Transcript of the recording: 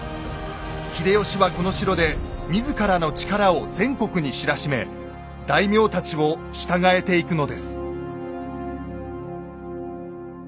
秀吉はこの城で自らの力を全国に知らしめ大名たちを従えていくのです。